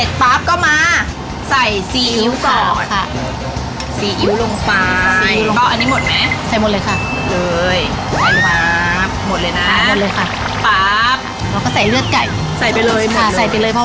รออีกประมาณสักสิบนาทีค่ะให้น้ำเดือนแล้วเราปิดแก๊สได้เลยค่ะ